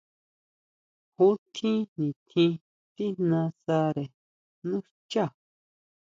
¿Ju tjín nitjín tíjnasare nú xchá?